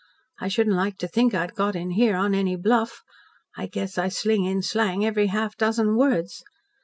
I shouldn't like to think I'd got in here on any bluff. I guess I sling in slang every half dozen words